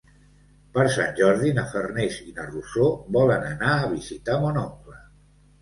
Per Sant Jordi na Farners i na Rosó volen anar a visitar mon oncle.